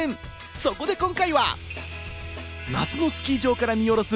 そこで今回は夏のスキー場から見下ろす